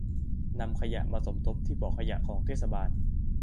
นำขยะมาสมทบที่บ่อขยะของเทศบาล